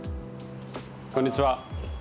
こんにちは。